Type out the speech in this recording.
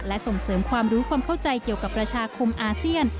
และส่งเสริมความรู้ความเข้าใจเกี่ยวกับประชาคมอาเซียน